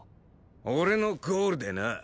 俺のゴールでな。